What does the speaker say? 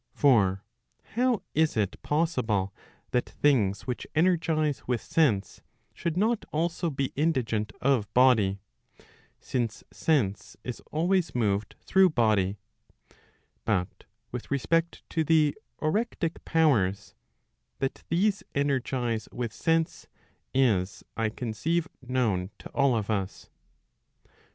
For how is it possible that things which energize with sense, should not also be indigent of body, since sense is always moved through body P But with respect to the orectic powers, that these energize with sense, is I conceive known to all of us.